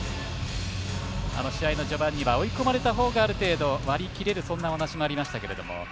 試合の序盤には追い込まれたほうがある程度、割り切れるというそんなお話もありましたけど